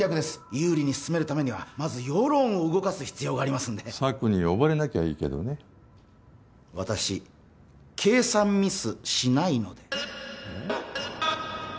有利に進めるためにはまず世論を動かす必要がありますんで策に溺れなきゃいいけどね私計算ミスしないのでえっ？